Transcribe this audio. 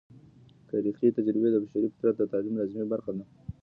تاریخي تجربې د بشري فطرت د تعلیم لازمي برخه ده.